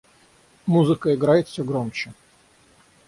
Музыка играет всё громче.